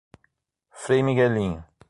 Frei Miguelinho